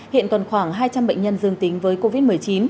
hiện còn khoảng hai trăm linh bệnh nhân dương tính với covid một mươi chín